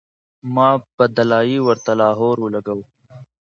ما پۀ “دلائي” ورته لاهور او لګوو